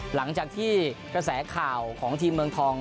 หลังจากที่กระแสข่าวของทีมเมืองทอง